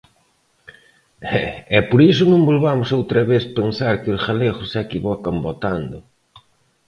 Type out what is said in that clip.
E por iso non volvamos outra vez pensar que os galegos se equivocan votando.